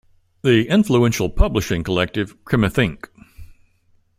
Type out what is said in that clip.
The influential publishing collective CrimethInc.